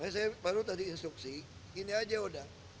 saya baru tadi instruksi gini aja udah